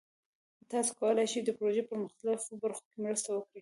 تاسو کولی شئ د پروژې په مختلفو برخو کې مرسته وکړئ.